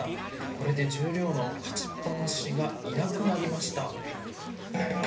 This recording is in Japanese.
これで十両の勝ちっぱなしがいなくなりました。